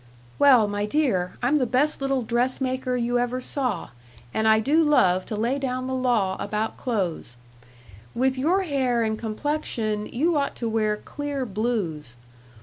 "Well, my dear, I'm the best little dressmaker you ever saw, and I do love to lay down the law about clothes. With your hair and complexion, you ought to wear clear blues.